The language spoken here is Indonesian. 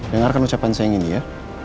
dengarkan ucapan saya yang ini ya